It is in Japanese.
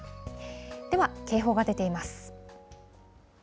では、警報が出ています。